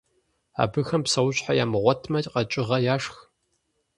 Абыхэм псэущхьэ ямыгъуэтмэ, къэкӏыгъэ яшх.